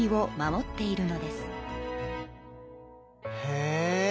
へえ。